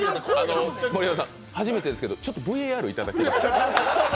盛山さん、初めてですけどＶＡＲいただきます。